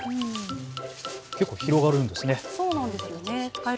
結構広がるんですね。